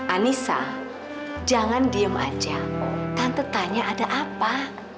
anissa jangan diem aja tante tanya ada apa